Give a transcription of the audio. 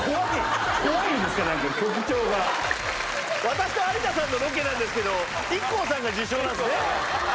私と有田さんのロケなんですけどＩＫＫＯさんが受賞なんすね。